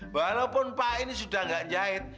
walaupun pae ini sudah nggak jahit